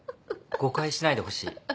誤解しないでほしい。